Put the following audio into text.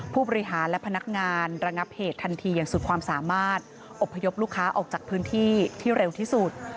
ผู้บริหารและพนักงานระงับเหตุทันทีอย่างสุดความสามารถอบพยพลูกค้าออกจากพื้นที่ที่เร็วที่สุด